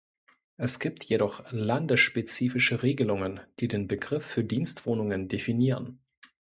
Es gibt jedoch landesspezifische Regelungen, die den Begriff für Dienstwohnungen definieren.